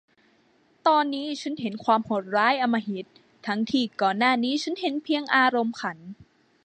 ตอนนี้ฉันเห็นความโหดร้ายอำมหิต ทั้งที่ก่อนหน้านี้ฉันเห็นเพียงอารมณ์ขัน